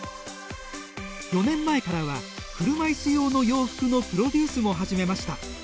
４年前からは車いす用の洋服のプロデュースも始めました。